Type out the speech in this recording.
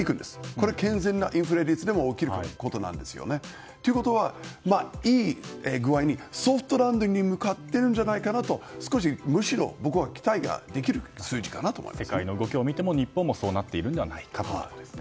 これは健全なインフレ率でも起こることなんですよね。ということは、いい具合にソフトランディングに向かっているんじゃないかなと少し、むしろ僕は世界の動きを見ても、日本もそうなっているのではないかと。